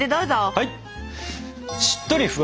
はい！